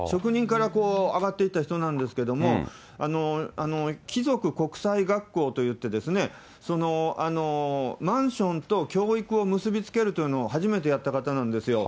職人から上がっていった人なんですけども、貴族国際学校といってですね、マンションと教育を結び付けるというのを初めてやった方なんですよ。